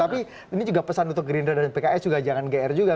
enam puluh empat puluh tapi ini juga pesan untuk gerindra dan pks juga jangan gr juga